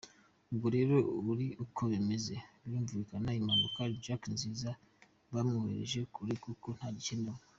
Ubwo rero ari uku bimeze, birumvikana impamvu Jack Nziza bamwohereje kure kuko ntagikenewe.